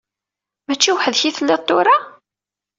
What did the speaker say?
Mačči weḥd-k i telliḍ tura?